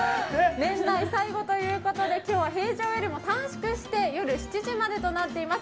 年内最後ということで今日は平常よりも短縮して夜７時までとなっています。